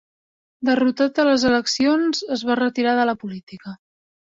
Derrotat a les eleccions, es va retirar de la política.